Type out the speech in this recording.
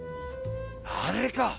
あれか。